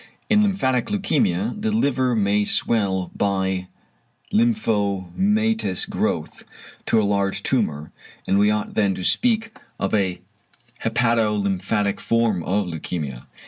In lymphatic leukæmia the liver may swell by lymphomatous growth, to a large tumour, and we ought then to speak of a "hepato lymphatic" form of leukæmia.